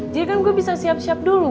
jadi kan gue bisa siap siap dulu